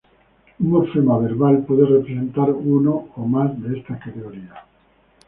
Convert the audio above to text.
Un morfema verbal puede representar una o más de estas categorías.